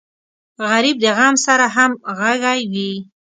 غریب د غم سره همغږی وي